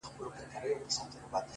موږ د خپل انسانيت حيصه ورکړې”